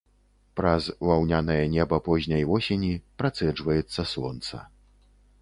Праз ваўнянае неба позняй восені працэджваецца сонца.